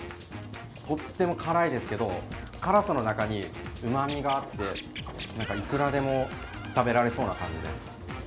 とっても辛いですけど辛さの中にうまみがあっていくらでも食べられそうな感じです。